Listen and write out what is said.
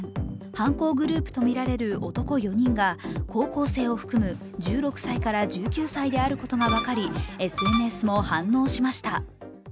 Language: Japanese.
犯行グループとみられる男４人が高校生を含む１６歳から１９歳であることが分かり、ＳＮＳも反応しました。